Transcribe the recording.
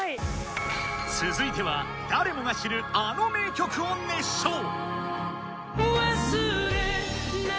続いては誰もが知るあの名曲を熱唱うわ！